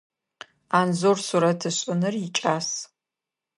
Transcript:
Анзор сурэт ышӏыныр икӏас.